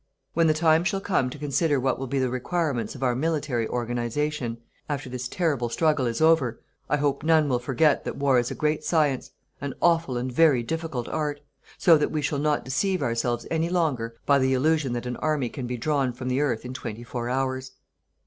When the time shall come to consider what will be the requirements of our military organization, after this terrible struggle is over, I hope none will forget that war is a great science, an awful and very difficult art, so that we shall not deceive ourselves any longer by the illusion that an army can be drawn from the earth in twenty four hours.